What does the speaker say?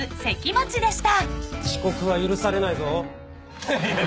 「遅刻は許されないぞ」